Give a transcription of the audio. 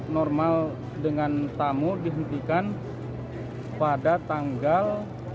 normal dengan tamu dihentikan pada tanggal empat belas